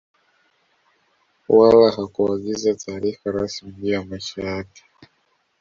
Wala hakuagiza taarifa rasmi juu ya maisha yake